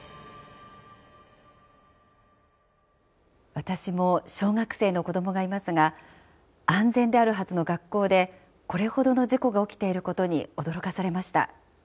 私も小学生の子どもがいますが安全であるはずの学校でこれほどの事故が起きていることに驚かされました。